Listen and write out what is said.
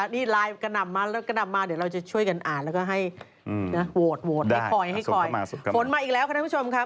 นี่ไลน์กะหน่ำมาเดี๋ยวเราจะช่วยกันอ่านแล้วก็ให้โหวต